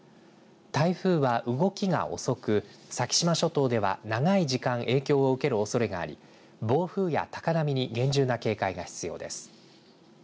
台風は動きが遅く先島諸島では長い時間影響を受けるおそれがあり暴風や高波に厳重な警戒が必要です。